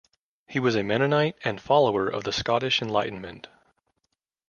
He was a Mennonite and follower of the Scottish Enlightenment.